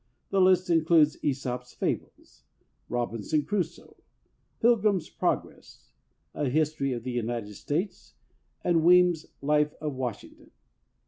The list includes "iEsop's Fables," "Robinson Crusoe," "Pilgrim's Pro gress," a history of the United States, and Weems's "Life of Washington."